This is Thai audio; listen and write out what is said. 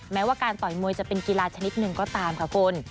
แม้ว่าการต่อยมวยจะเป็นกีฬาชนิดหนึ่งก็ตามค่ะคุณ